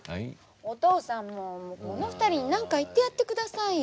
お父さんもこの２人に何か言ってやって下さいよ。